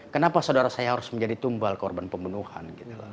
kenapa saudara saya harus menjadi tumbal korban pembunuhan